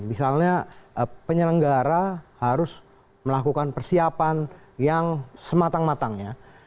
misalnya penyelenggara harus melakukan persiapan yang sematang matangnya